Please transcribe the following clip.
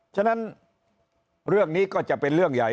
ฉะนั้นเรื่องนี้ก็จะเป็นเรื่องใหญ่